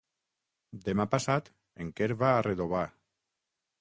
Demà passat en Quer va a Redovà.